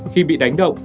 khi bị đánh động